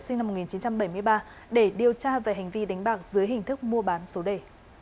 sinh năm một nghìn chín trăm bảy mươi ba để điều tra về hành vi đánh bạc dưới hình thức mua bán số đề